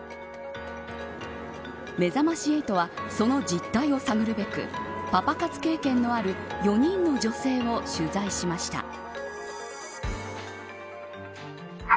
めざまし８はその実態を探るべくパパ活経験のある４人の女性を取材しました。